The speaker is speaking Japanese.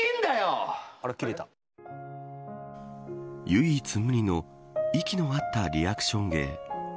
唯一無二の息の合ったリアクション芸。